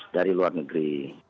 dari luar negeri